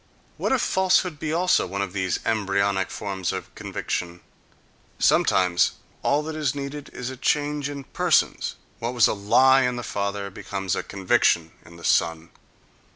What if falsehood be also one of these embryonic forms of conviction?—Sometimes all that is needed is a change in persons: what was a lie in the father becomes a conviction in the son.